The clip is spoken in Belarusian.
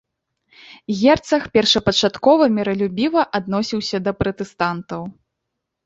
Герцаг першапачаткова міралюбіва адносіўся да пратэстантаў.